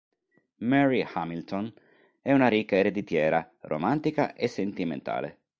Mary Hamilton è una ricca ereditiera, romantica e sentimentale.